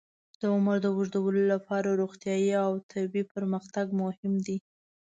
د عمر د اوږدولو لپاره روغتیايي او طبي پرمختګ مهم دی.